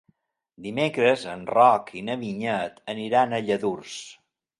Dimecres en Roc i na Vinyet aniran a Lladurs.